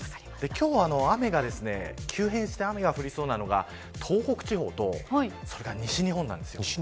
今日急変して雨が降りそうなのは東北地方と西日本です。